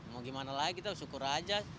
mau gimana lagi kita syukur aja